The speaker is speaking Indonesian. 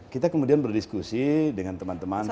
kita kemudian berdiskusi dengan teman teman